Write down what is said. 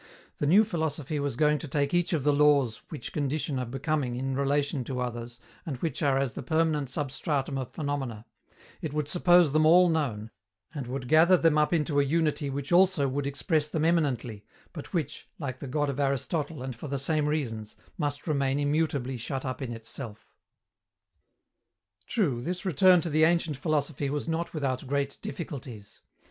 The new philosophy was going to take each of the laws which condition a becoming in relation to others and which are as the permanent substratum of phenomena: it would suppose them all known, and would gather them up into a unity which also would express them eminently, but which, like the God of Aristotle and for the same reasons, must remain immutably shut up in itself. True, this return to the ancient philosophy was not without great difficulties.